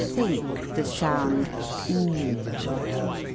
Think the sound 66.